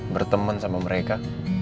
berteman sama mereka